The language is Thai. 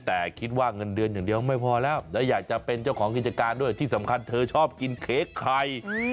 แต่คิดว่าเงินเดือนอย่างเดียวไม่พอแล้วและอยากจะเป็นเจ้าของกิจการด้วยที่สำคัญเธอชอบกินเค้กไข่